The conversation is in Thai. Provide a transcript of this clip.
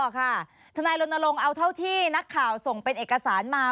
ค่ะทนายรณรงค์เอาเท่าที่นักข่าวส่งเป็นเอกสารมา